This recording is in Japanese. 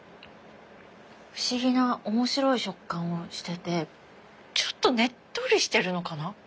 不思議な面白い食感をしててちょっとねっとりしてるのかな？